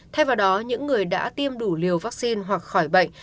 thay vào đó những người đã tiêm đủ liều vaccine hoặc khỏi bệnh